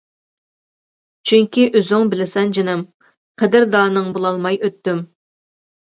چۈنكى ئۆزۈڭ بىلىسەن جېنىم، قەدىردانىڭ بولالماي ئۆتتۈم.